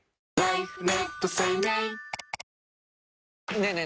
ねえねえ